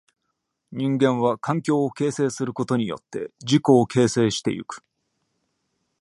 人間は環境を形成することによって自己を形成してゆく。